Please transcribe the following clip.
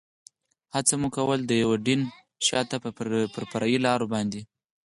هڅه مو کول، د یوډین شاته پر فرعي لارو باندې.